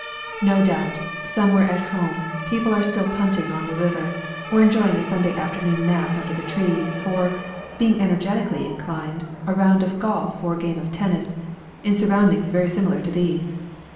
No doubt, somewhere at home, people are still punting on the river, or enjoying a Sunday afternoon nap under the trees, or, being energetically inclined, a round of golf or game of tennis, in surroundings very similar to these.